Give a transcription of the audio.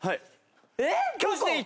えっ！？